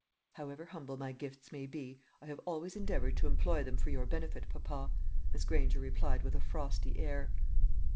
"However humble my gifts may be, I have always endeavoured to employ them for your benefit, papa," Miss Granger replied with a frosty air.